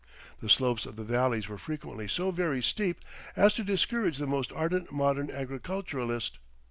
The slopes of the valleys were frequently so very steep as to discourage the most ardent modern agriculturalist.